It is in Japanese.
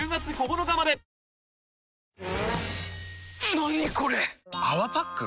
何これ⁉「泡パック」？